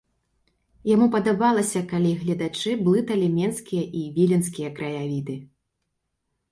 Яму падабалася, калі гледачы блыталі менскія і віленскія краявіды.